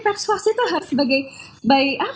persuasif itu harus sebagai